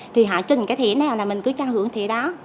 thì họ trình cái thẻ nào là mình cứ trao hưởng thẻ đó